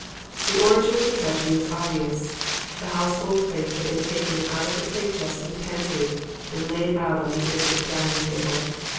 The origin of the tragedy was obvious. The household plate had been taken out of the plate chest in the pantry and laid out on the end of the dining table.